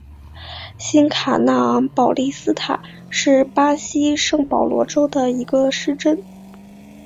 新卡纳昂保利斯塔是巴西圣保罗州的一个市镇。